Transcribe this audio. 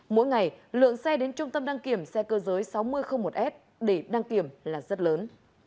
mỗi ngày lượng xe đến trung tâm đăng kiểm xe cơ giới sáu nghìn một s để đăng kiểm là rất lớn